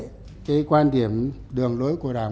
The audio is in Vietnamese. đấu tranh bảo vệ cái quan điểm đường lối của đảng